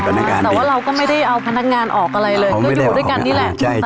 แต่ว่าเราก็ไม่ได้เอาพนักงานออกอะไรเลยก็อยู่ด้วยกันนี่แหละ